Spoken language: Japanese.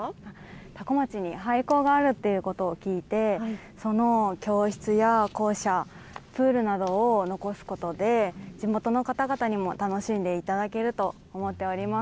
多古町に廃校があるということを聞いてその教室や校舎、プールなどを残すことで地元の方々にも楽しんでいただけると思っております。